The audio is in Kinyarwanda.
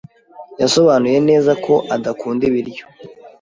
Yasobanuye neza ko adakunda ibiryo.